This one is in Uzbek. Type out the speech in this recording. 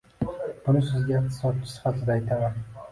Buni sizga iqtisodchi sifatida aytaman